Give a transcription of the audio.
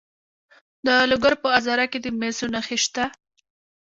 د لوګر په ازره کې د مسو نښې شته.